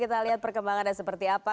kita lihat perkembangan ada seperti apa